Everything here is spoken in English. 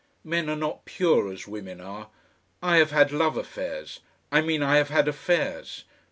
Men are not pure as women are. I have had love affairs. I mean I have had affairs.